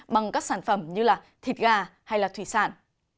bằng các sản phẩm như thịt gà hay thủy sản